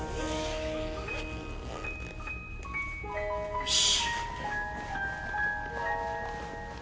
「」よし。